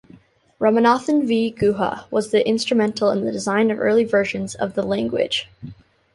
Ramanathan V. Guha was instrumental in the design of early versions of the language.